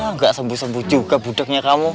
enggak sembuh sembuh juga budeknya kamu